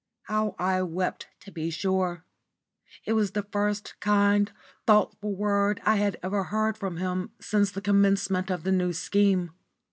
How I wept to be sure. It was the first kind, thoughtful word I had ever heard from him since the commencement of the New Scheme.